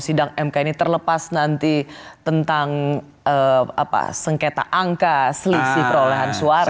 sidang mk ini terlepas nanti tentang sengketa angka selisih perolehan suara